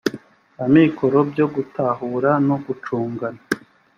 amikoro byo gutahura no gucungana